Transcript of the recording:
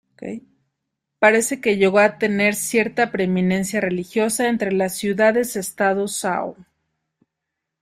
Parece que llegó a tener cierta preeminencia religiosa entre las ciudades-estado sao.